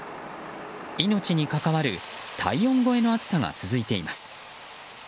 命に関わる体温超えの暑さが続いています。